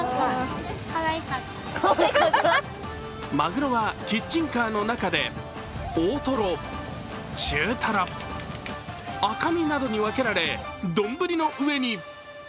マグロはキッチンカーの中で大トロ、中トロ、赤身などに分けられ、丼の上に。